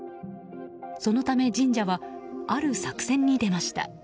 そのため神社はある作戦に出ました。